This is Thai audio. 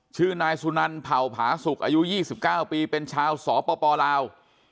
ชื่อนายสุนันเผ่าผาสุกอายุ๒๙ปีเป็นชาวสปลาว